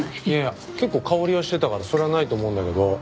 いやいや結構香りはしてたからそれはないと思うんだけど。